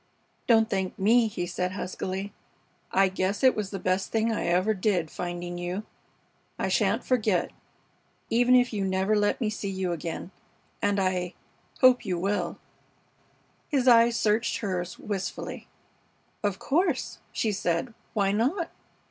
"Don't thank me," he said, huskily. "I guess it was the best thing I ever did, finding you. I sha'n't forget, even if you never let me see you again and I hope you will." His eyes searched hers wistfully. "Of course," she said. "Why not?"